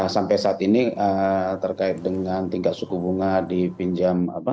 sampai saat ini terkait dengan tingkat suku bunga dipinjam